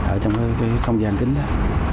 ở trong cái không gian kính đó